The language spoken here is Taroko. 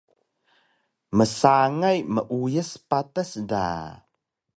Msangay meuays patas da